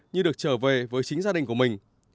như được trở về với chính gia đình của mình